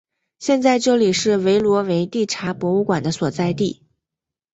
现在这里是维罗维蒂察博物馆的所在地。